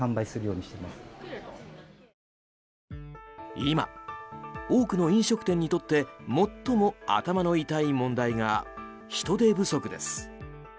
今、多くの飲食店にとって最も頭の痛い問題が人手不足です。